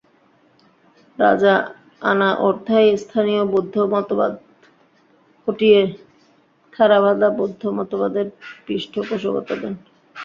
রাজা আনাওরথাই স্থানীয় বৌদ্ধ মতবাদ হটিয়ে থেরাভাদা বৌদ্ধ মতবাদের পৃষ্ঠপোষকতা দেন।